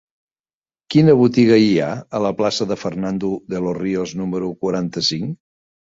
Quina botiga hi ha a la plaça de Fernando de los Ríos número quaranta-cinc?